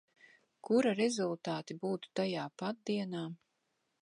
Kura rezultāti būtu tajā pat dienā.